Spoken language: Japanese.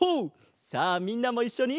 さあみんなもいっしょに。